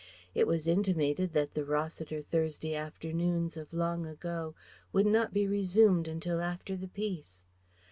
It was intimated that the Rossiter Thursday afternoons of long ago would not be resumed until after the peace.